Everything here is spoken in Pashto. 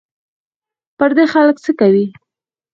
پردي خلک څه کوې